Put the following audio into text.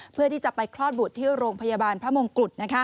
เพื่อที่จะไปคลอดบุตรที่โรงพยาบาลพระมงกุฎ